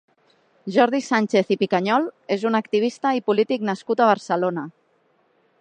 Jordi Sànchez i Picanyol és un activista i polític nascut a Barcelona.